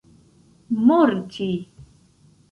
morti